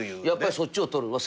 やっぱりそっちを取る。